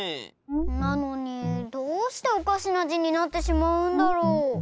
なのにどうしておかしなじになってしまうんだろう。